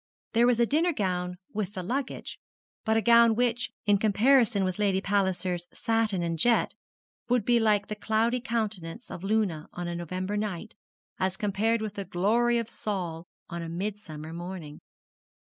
There was a dinner gown with the luggage, but a gown which, in comparison with Lady Palliser's satin and jet, would be like the cloudy countenance of Luna on a November night, as compared with the glory of Sol on a midsummer morning.